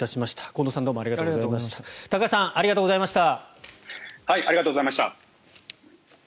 近藤さん、高橋さんありがとうございました。